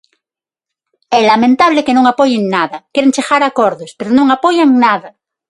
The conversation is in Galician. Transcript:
É lamentable que non apoien nada; queren chegar a acordos, pero non apoian nada.